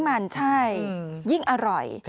มันใช่ยิ่งอร่อย